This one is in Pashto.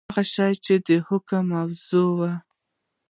هغه شی چي د حکم موضوع وي.؟